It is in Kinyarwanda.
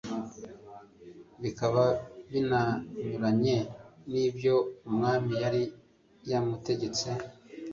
bikaba binanyuranye n'ibyo umwami yari yamutegetse